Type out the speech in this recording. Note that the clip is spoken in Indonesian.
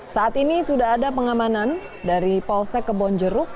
saat ini sudah ada pengamanan dari polsek kebonjeruk